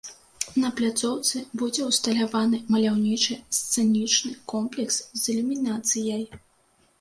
На пляцоўцы будзе ўсталяваны маляўнічы сцэнічны комплекс з ілюмінацыяй.